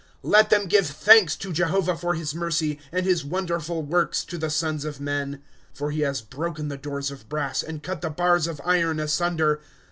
^* Let them give thanl^s to Jehovah for his mercy, And his wonderful works to the sons of men. '^ For he has broken the doors of brass, And cut the bars of iron asunder.